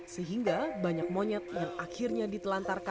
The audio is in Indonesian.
sehingga banyak monyet yang akhirnya ditelantarkan